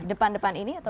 depan depan ini atau